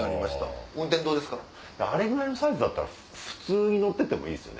あれぐらいのサイズだったら普通に乗っててもいいですよね